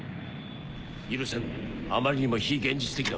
許せんあまりにも非現実的だ。